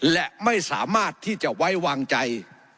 และไม่สามารถที่จะไว้วางใจ